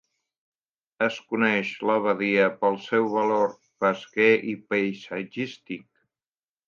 Es coneix la badia pel seu valor pesquer i paisatgístic.